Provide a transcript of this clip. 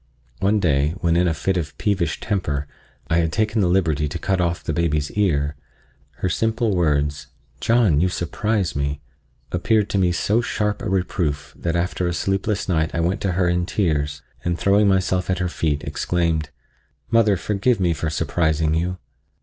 One day, when in a fit of peevish temper, I had taken the liberty to cut off the baby's ear, her simple words, "John, you surprise me!" appeared to me so sharp a reproof that after a sleepless night I went to her in tears, and throwing myself at her feet, exclaimed: "Mother, forgive me for surprising you."